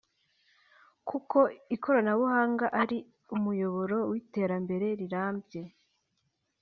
kuko ikoranabuhanga ari umuyoboro w’iterambere rirambye